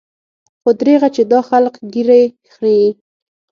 خو درېغه چې دا خلق ږيرې خريي.